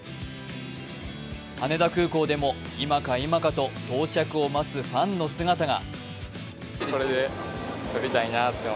羽田空港でも今か今かと到着を待つファンの姿が。